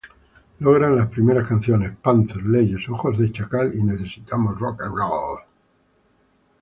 Logran las primeras canciones: ""Panzer"", ""Leyes"", ""Ojos de Chacal"" y ""Necesitamos Rock´n Roll"".